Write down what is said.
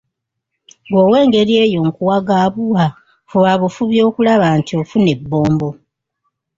Gggwe ow'engeri eyo nkuwa ga buwa, fuba bufubi okulaba nti ofuna ebbombo.